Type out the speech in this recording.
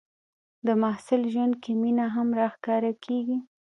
د محصل ژوند کې مینه هم راښکاره کېږي.